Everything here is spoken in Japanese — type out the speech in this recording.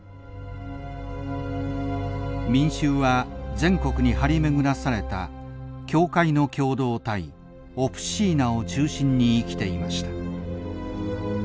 民衆は全国に張り巡らされた教会の共同体オプシーナを中心に生きていました。